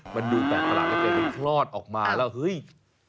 มันดูแตกละก็ใครล้อดออกมาแล้ว